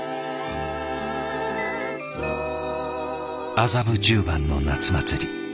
麻布十番の夏祭り。